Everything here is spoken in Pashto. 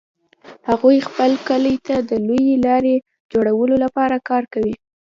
هغوی خپل کلي ته د لویې لارې جوړولو لپاره کار کوي